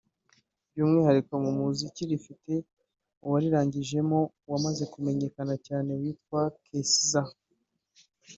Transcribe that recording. By’umwihariko mu muziki rifite uwarirangijemo wamaze kumenyekana cyane witwa Kiesza